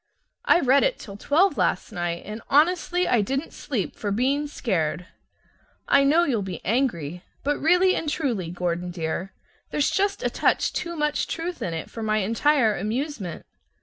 I read it till twelve last night, and honestly I didn't sleep for being scared. I know you'll be angry, but really and truly, Gordon dear, there's just a touch too much truth in it for my entire amusement.